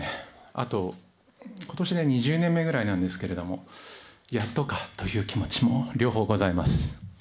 あと、ことしで２０年目ぐらいなんですけれども、やっとかという気持ちも、両方ございます。